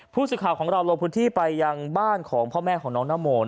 ผู้สื่อข่าวของเราลงพื้นที่ไปยังบ้านของพ่อแม่ของน้องน้ำโมน